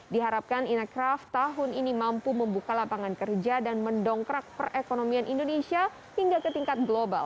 diharapkan inacraft tahun ini mampu membuka lapangan kerja dan mendongkrak perekonomian indonesia hingga ke tingkat global